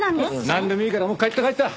なんでもいいからもう帰った帰った。